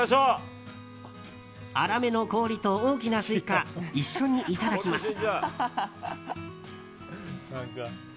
粗めの氷と大きなスイカ一緒にいただきます。